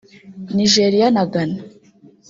Nigeria na Ghana